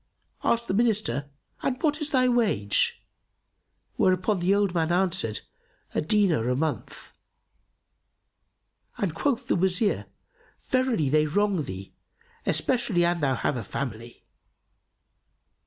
Asked the Minister, "And what is thy wage?" whereto the old man answered, "A dinar a month," and quoth the Wazir, "Verily they wrong thee, especially an thou have a family."